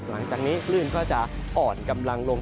หลังจากนี้คลื่นก็จะอ่อนกำลังลง